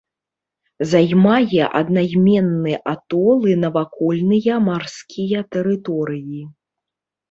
Займае аднайменны атол і навакольныя марскія тэрыторыі.